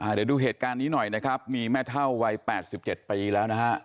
เดี๋ยวดูเหตุการณ์นี้หน่อยนะครับมีแม่เท่าวัย๘๗ปีแล้วนะฮะ